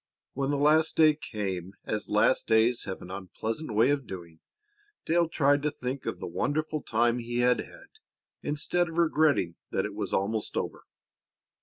When the last day came, as last days have an unpleasant way of doing, Dale tried to think of the wonderful time he had had instead of regretting that it was almost over.